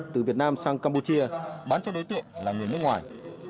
từ việt nam sang campuchia bán cho đối tượng là người nước ngoài